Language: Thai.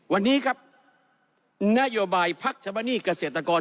วันนี้ครับนโยบายพักชำระหนี้เกษตรกร